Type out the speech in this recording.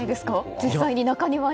実際に、中庭に。